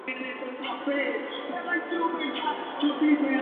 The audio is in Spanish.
Fue uno de los fundadores del Movimiento Nacionalista Revolucionario.